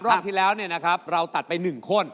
รอบที่แล้วเนี่ยนะครับเราตัดไป๑คน